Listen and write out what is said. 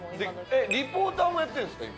えっリポーターもやってるんですか？